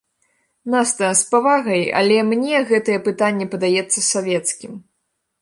Наста, з павагай, але мне гэтае пытанне падаецца савецкім.